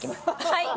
はい。